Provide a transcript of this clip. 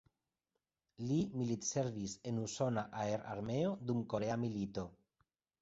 Li militservis en usona aerarmeo dum Korea milito.